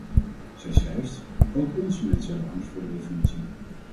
Zij schrijft: ook onze mensen hebben angst voor de revolutie.